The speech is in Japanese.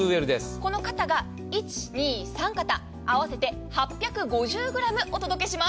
この肩が１、２、３肩合わせて８５０ｇお届けします。